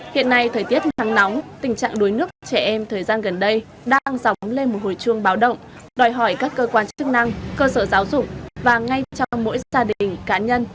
hiện nay thời tiết nắng nóng tình trạng đuối nước trẻ em thời gian gần đây đang dóng lên một hồi chuông báo động đòi hỏi các cơ quan chức năng cơ sở giáo dục và ngay trong mỗi gia đình cá nhân